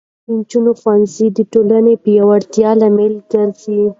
د نجونو ښوونځی د ټولنې پیاوړتیا لامل ګرځي.